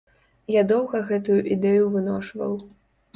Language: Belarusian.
Я доўга гэтую ідэю выношваў.